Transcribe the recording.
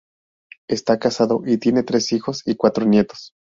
Está casado y tiene tres hijos y cuatro nietos.